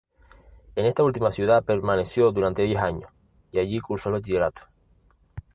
En esta última ciudad permaneció durante diez años y allí cursó el bachillerato.